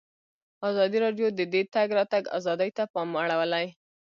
ازادي راډیو د د تګ راتګ ازادي ته پام اړولی.